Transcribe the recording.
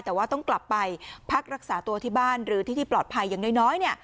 แต่ว่าต้องกลับไปพักรักษาตัวที่บ้านหรือที่ที่ปลอดภัยอย่างน้อย